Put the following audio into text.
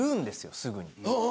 すぐに。